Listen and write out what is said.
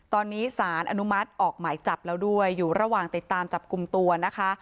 ตอนนี้สารอนุมัติออกหมายจับแล้วด้วยอยู่ระหว่างติดตามจับกลุ่มตัวนะคะ